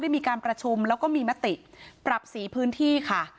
มีการประชุมแล้วก็มีมติปรับ๔พื้นที่ค่ะ